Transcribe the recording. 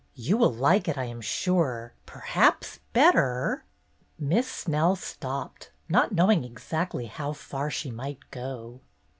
You will like it, I am sure, perhaps better —" Miss Snell stopped, not knowing exactly how far she might go.